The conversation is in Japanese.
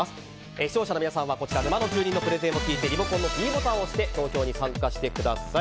視聴者の皆さんは沼の住人のプレゼンを聞いてリモコンのｄボタンを押して投票に参加してください。